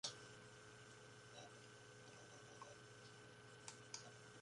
La comunidad es una serie de foros donde los usuarios discuten cuestiones futbolísticas.